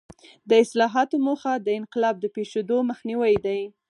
د اصلاحاتو موخه د انقلاب د پېښېدو مخنیوی دی.